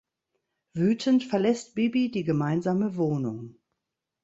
Wütend verlässt Bibi die gemeinsame Wohnung.